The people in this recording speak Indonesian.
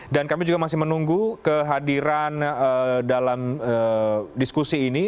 dan kami juga masih menunggu kehadiran dalam diskusi ini